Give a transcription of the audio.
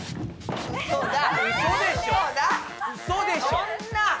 そんな！